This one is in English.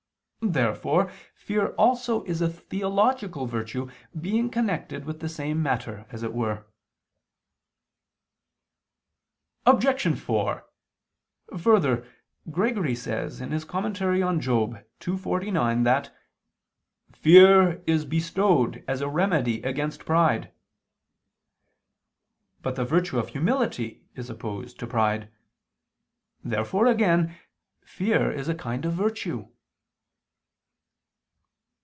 Therefore fear also is a theological virtue, being connected with the same matter, as it were. Obj. 4: Further, Gregory says (Moral. ii, 49) that "fear is bestowed as a remedy against pride." But the virtue of humility is opposed to pride. Therefore again, fear is a kind of virtue.